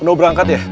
udah berangkat ya